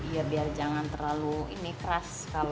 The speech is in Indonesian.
ya biar jangan terlalu ini keras